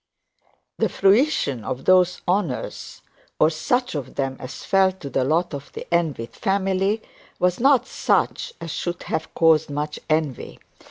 The fruition of these honours, or such of them as fell to the lot of the envied family, was not such as should have caused much envy.